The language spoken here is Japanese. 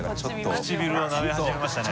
唇をなめ始めましたね